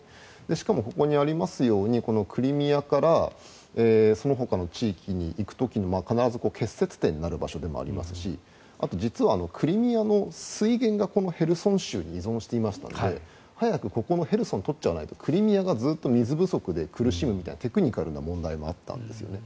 しかもここにありますようにクリミアからそのほかの地域に行く時に必ず結節点になるところですしあと、実はクリミアの水源がこのヘルソン州に依存していましたので早くここのヘルソンを取っちゃわないとクリミアが水不足で苦しむみたいなテクニカルな問題もあったんですよね。